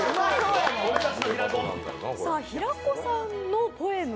平子さんのポエム